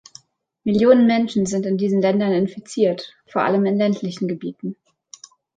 Millionen Menschen sind in diesen Ländern infiziert, vor allem in ländlichen Gebieten.